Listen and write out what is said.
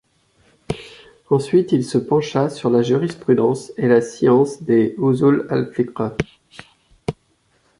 Ensuite il se pencha sur la jurisprudence et la science des Usul al-Fiqh.